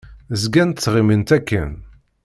Zgant ttɣimint akken.